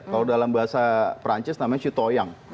kalau dalam bahasa perancis namanya shitoyang